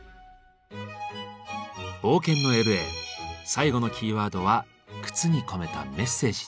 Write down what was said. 冒険のＬ．Ａ．最後のキーワードは「靴に込めたメッセージ」。